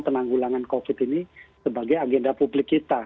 penanggulangan covid ini sebagai agenda publik kita